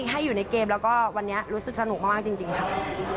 แต่ว่าเขาก็แก้ทางเรามาเหมือนกัน